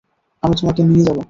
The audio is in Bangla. আমি তোমাকে নিয়ে যাব।